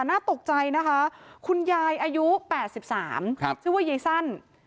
น่าตกใจนะคะคุณยายอายุ๘๓ชื่อว่ายายสั้น